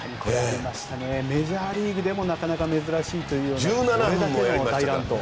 メジャーリーグでもなかなか珍しい大乱闘。